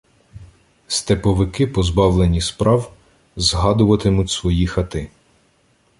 Степовики, позбавлені справ, згадуватимуть свої хати.